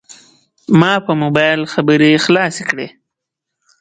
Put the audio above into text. ما په موبایل خبرې خلاصې کړې.